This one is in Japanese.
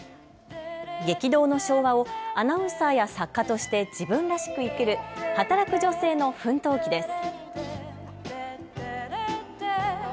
激動の昭和をアナウンサーや作家として自分らしく生きる、働く女性の奮闘記です。